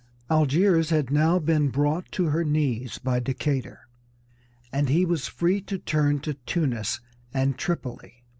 Algiers had now been brought to her knees by Decatur, and he was free to turn to Tunis and Tripoli.